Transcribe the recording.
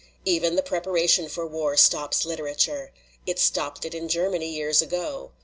Even the preparation for war stops literature. It stopped it in Germany years ago.